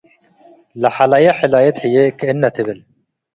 ለሐለየ ሕላየት ህዬ ክእነ ትብል።-